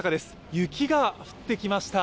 雪が降ってきました。